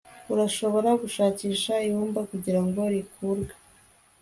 urashobora gushakisha ibumba kugirango rikurwe